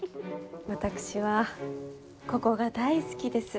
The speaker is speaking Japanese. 私は、ここが大好きです。